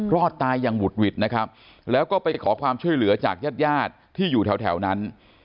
รอดตายอย่างหุดหวิดนะครับแล้วก็ไปขอความช่วยเหลือจากญาติญาติที่อยู่แถวนั้น